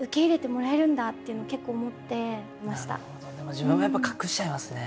自分もやっぱ隠しちゃいますね